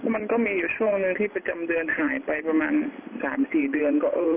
มันก็มีอยู่ช่วงหนึ่งที่ประจำเดือนหายไปประมาณ๓๔เดือนก็เออ